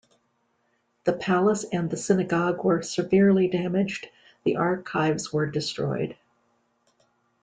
The palace and the synagogue were severely damaged, the archives were destroyed.